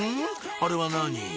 あれは何？